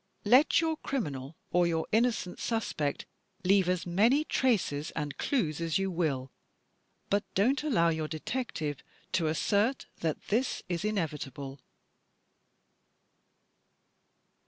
Let your criminal or your innocent suspect leave as many traces and clues as you will, but don't allow your detective to assert that this is inevitable.